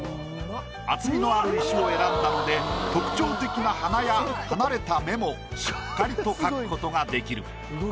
厚みのある石を選んだので特徴的な鼻や離れた目もしっかりと描く事ができる。